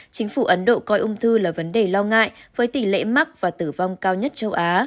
chính phủ ấn độ coi ung thư là vấn đề lo ngại với tỷ lệ mắc và tử vong cao nhất châu á